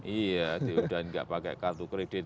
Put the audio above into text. ya sudah tidak pakai kartu kredit